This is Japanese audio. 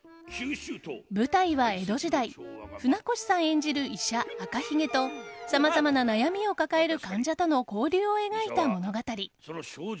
舞台は江戸時代船越さん演じる医者、赤ひげとさまざまな悩みを抱える患者との交流を描いた物語。